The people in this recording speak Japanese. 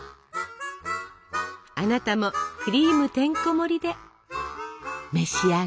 あなたもクリームてんこもりで召し上がれ！